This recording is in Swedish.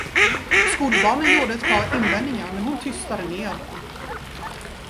Skolbarnen gjorde ett par invändningar men hon tystade ner dem.